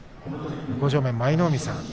向正面、舞の海さん